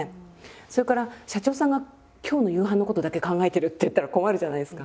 それから社長さんが「今日の夕飯のことだけ考えてる」って言ったら困るじゃないですか。